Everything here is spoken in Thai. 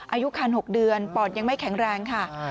อายุคัน๖เดือนปอดยังไม่แข็งแรงค่ะ